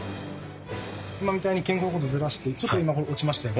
今みたいに肩甲骨をずらしてちょっと今落ちましたよね？